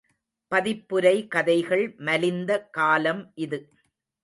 பதிப்புரை கதைகள் மலிந்த காலம் இது.